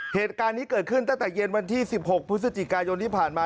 เหตุการณ์นี้เกิดขึ้นตั้งแต่เย็นวันที่๑๖พฤศจิกายนที่ผ่านมา